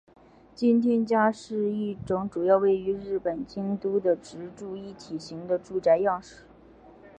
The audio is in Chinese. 京町家是一种主要位于日本京都的职住一体型的住宅样式。